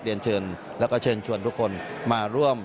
เรียนเชิญแล้วก็เชิญชวนทุกคนมาร่วม